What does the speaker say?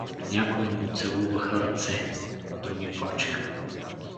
Някоя му целуваха ръце, други плачеха.